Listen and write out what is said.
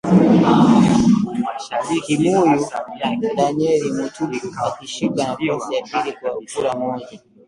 Kimuyu Daniel Mutuku akishika nafasi ya pili kwa kura moja